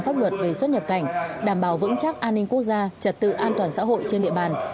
pháp luật về xuất nhập cảnh đảm bảo vững chắc an ninh quốc gia trật tự an toàn xã hội trên địa bàn